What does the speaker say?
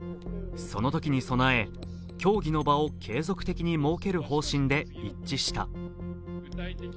そのときに備え、協議の場を継続的に設ける方針で一致した。